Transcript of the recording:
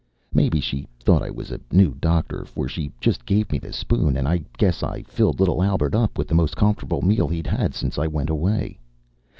Mebbe she thought I was a new doctor, for she just gave me the spoon, and I guess I filled little Albert up with the most comfortable meal he'd had since I went away.